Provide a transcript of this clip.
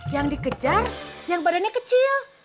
yang dikejar yang badannya kecil